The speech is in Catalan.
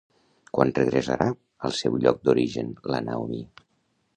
Quan regressarà al seu lloc d'origen la Naomi?